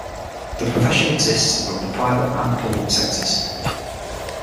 The profession exists in both the private and public sectors.